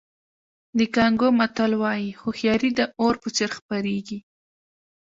د کانګو متل وایي هوښیاري د اور په څېر خپرېږي.